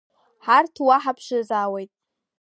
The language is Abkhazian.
Ҳарҭ уа ҳаԥшызаауеит…